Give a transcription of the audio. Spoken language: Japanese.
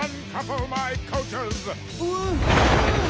うわ！